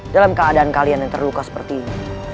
dalam keadaan kalian yang terluka seperti ini